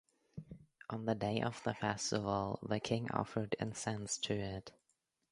On the day of the festival the king offered incense to it.